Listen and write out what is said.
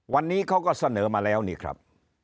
วันนี้เขาก็เสนอมาแล้วนี่ครับ